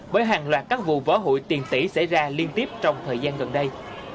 bởi hàng loạt các vụ vỡ hụi tiền tỷ xảy ra liên tiếp trong thời gian gần đây